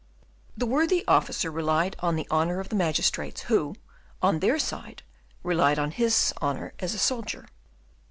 The worthy officer relied on the honour of the magistrates, who, on their side, relied on his honour as a soldier.